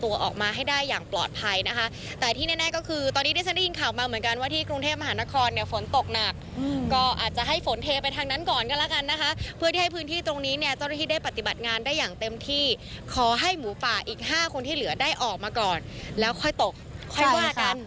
ตรงนี้จะได้ปฏิบัติงานได้อย่างเต็มที่ขอให้หมูป่าอีก๕คนที่เหลือได้ออกมาก่อนแล้วค่อยตกค่อยว่ากัน